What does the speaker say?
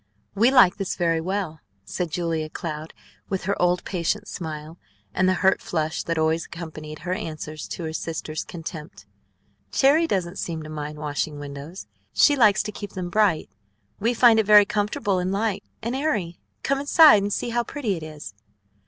"We like this very well," said Julia Cloud with her old patient smile and the hurt flush that always accompanied her answers to her sister's contempt. "Cherry doesn't seem to mind washing windows. She likes to keep them bright. We find it very comfortable and light and airy. Come inside, and see how pretty it is."